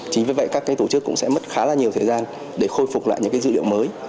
chính vì vậy các tổ chức cũng sẽ mất khá là nhiều thời gian để khôi phục lại những dữ liệu mới